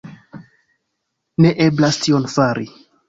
Ne eblas tion fari.